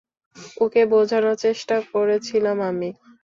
ওকে বোঝানোর চেষ্টা করেছিলাম আমি।